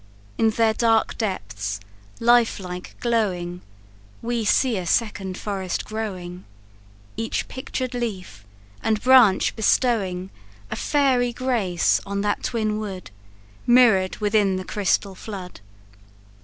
In their dark depths, life like glowing, We see a second forest growing, Each pictur'd leaf and branch bestowing A fairy grace on that twin wood, Mirror'd within the crystal flood.